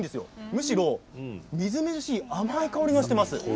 むしろみずみずしい甘い香りがしています。